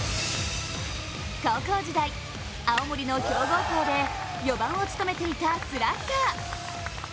高校時代、青森の強豪校で４番を務めていたスラッガー。